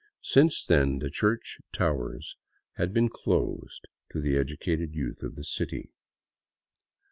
Since then the church towers had been closed to the educated youth of the city.